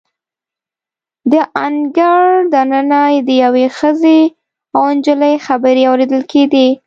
د انګړ د ننه د یوې ښځې او نجلۍ خبرې اوریدل کیدې.